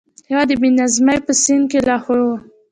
هېواد د بې نظمۍ په سین کې لاهو و.